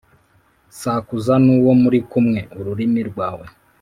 Sakuza n'uwo muri kumwe-Ururimi rwawe.